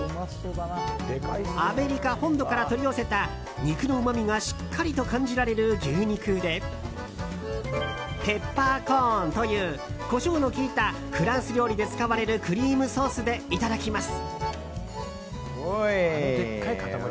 アメリカ本土から取り寄せた肉のうまみがしっかりと感じられる牛肉でペッパーコーンというコショウの効いたフランス料理で使われるクリームソースでいただきます。